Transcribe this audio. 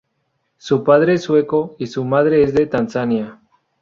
Su padre es sueco y su madre es de Tanzania.